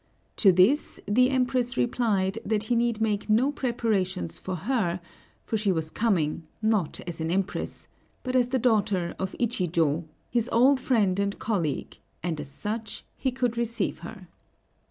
To this the Empress replied that he need make no preparations for her, for she was coming, not as an Empress, but as the daughter of Ichijō, his old friend and colleague, and as such he could receive her.